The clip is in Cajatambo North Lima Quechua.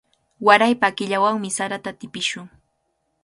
Waraypa killawanmi sarata tipishun.